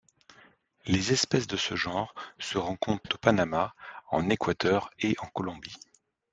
Les espèces de ce genre se rencontrent à Panama, en Équateur et en Colombie.